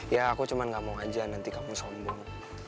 ya aku cuma gak mau aja nanti kamu sombong